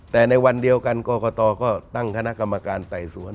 แต่ในวันเดียวกันกรกตก็ตั้งคณะกรรมการไต่สวน